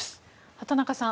畑中さん